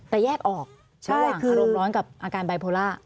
แต่แยกออกระหว่างอารมณ์ร้อนกับอาการบายโพล่า